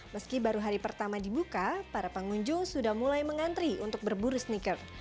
meski baru hari pertama dibuka para pengunjung sudah mulai mengantri untuk berburu sneaker